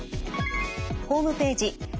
ホームページ